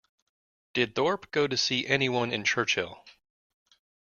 Did Thorpe go to see any one in Churchill.